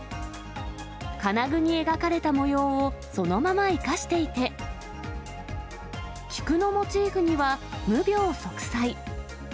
金具に描かれた模様をそのまま生かしていて、菊のモチーフには、無病息災。